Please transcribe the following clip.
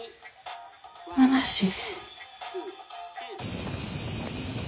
むなしい。